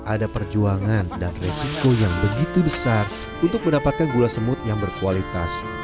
ada perjuangan dan resiko yang begitu besar untuk mendapatkan gula semut yang berkualitas